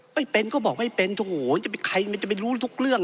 ไม่เป็นก็บอกไม่เป็นโอ้โหจะเป็นใครมันจะไปรู้ทุกเรื่อง